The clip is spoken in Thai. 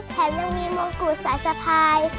แถมยังมีมงกุสาสะพาย